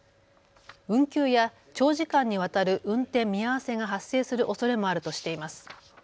運休や長時間にわたる運転見合わせが発生するおそれもあるとしています。